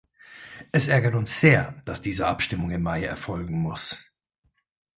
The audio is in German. Es ärgert uns sehr, dass diese Abstimmung im Mai erfolgen muss.